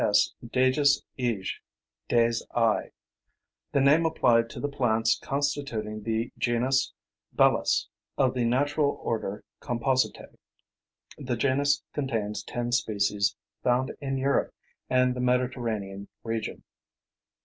S. daeges eage, day's eye), the name applied to the plants constituting the genus Bellis, of the natural order Compositae. The genus contains ten species found in Europe and the Mediterranean region.